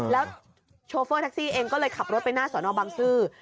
แล้วโชเฟอร์แท็กซี่เองก็เลยขับรถไปหน้าสอนอบังซื้อ